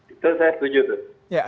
itu saya setuju tuh